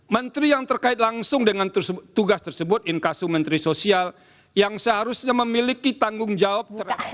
menteri yang terkait langsung dengan tugas tersebut inkasu menteri sosial yang seharusnya memiliki tanggung jawab